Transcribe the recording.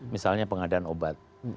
misalnya pengadaan obat